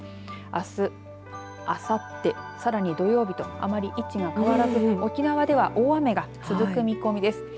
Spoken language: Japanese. あす、あさって、さらに土曜日とあまり位置が変わらず沖縄では大雨が続く見込みです。